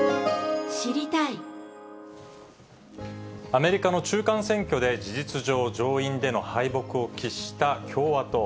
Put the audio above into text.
アメリカの中間選挙で、事実上、上院での敗北を喫した共和党。